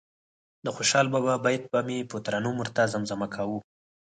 د خوشال بابا بیت به مې په ترنم ورته زمزمه کاوه.